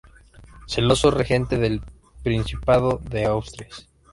Celoso regente del Principado de Asturias.